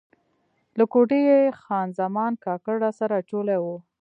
له کوټې یې خان زمان کاکړ راسره اچولی و.